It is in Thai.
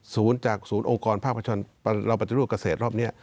ศูนย์จากศูนย์องค์กรภาคประชาชนเราปฏิรูปเกษตรรอบนี้